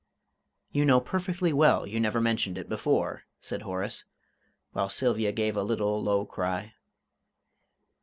"You know perfectly well you never mentioned it before," said Horace, while Sylvia gave a little low cry.